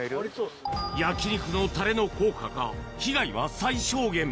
焼き肉のたれの効果か、被害は最小限。